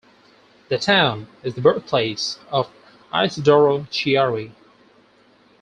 The town is the birthplace of Isidoro Chiari.